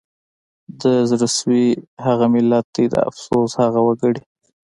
د زړه سوي هغه ملت دی د افسوس هغه وګړي